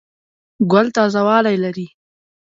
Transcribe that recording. ګل تازه والی لري.